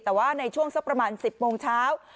แต่ว่าในช่วงสักประมาณ๑๐โมงเช้า